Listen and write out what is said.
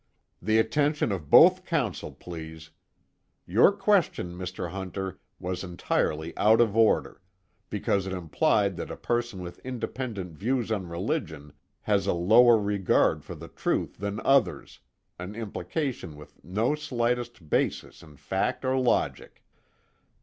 "The attention of both counsel, please. Your question, Mr. Hunter, was entirely out of order, because it implied that a person with independent views on religion has a lower regard for the truth than others an implication with no slightest basis in fact or logic.